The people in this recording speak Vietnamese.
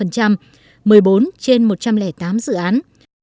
một mươi bốn trên một trăm linh tám dự án